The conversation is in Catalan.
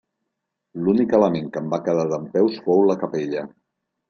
L’únic element que en va quedar dempeus fou la capella.